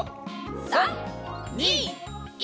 ３２１。